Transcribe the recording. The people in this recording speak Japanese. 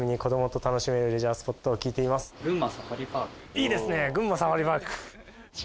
いいですね群馬サファリパーク。